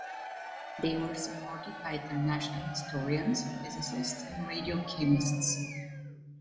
They were supported by international historians, physicists and radio chemists.